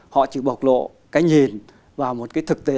họ chỉ bộc lộ cái nhìn vào một cái thực tế